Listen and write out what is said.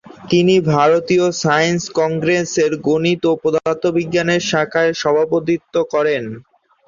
তিনি ভারতীয় সাইন্স কংগ্রেসের গণিত ও পদার্থবিজ্ঞান শাখার সভাপতিত্ব করেন।